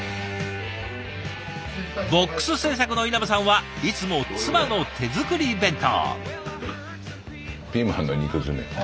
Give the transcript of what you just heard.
ＢＯＸ製作の稲葉さんはいつも妻の手作り弁当。